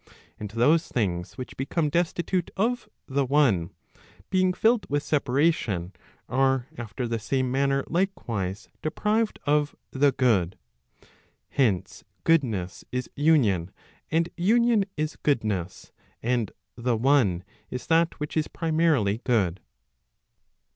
And those things which become destitute of the one , being filled with separation, are after the same manner likewise deprived of the good. Hence, goodness is union, and union is goodness, and the one is that which is primarily good.